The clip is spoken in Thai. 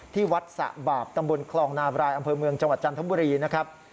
ที่วัดสะบาปตำบลคลองนาบรายอำเภอเมืองจังหวัดจันทบุรีนะครับ